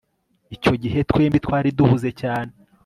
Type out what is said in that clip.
icyo gihe twembi twari duhuze cyane